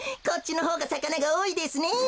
こっちのほうがさかながおおいですね。